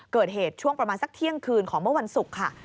เกิดเหตุช่วงประมาณสักเที่ยงคืนของเมื่อวันศุกร์ค่ะ